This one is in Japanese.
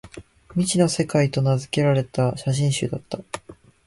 「未知の世界」と名づけられた写真集だった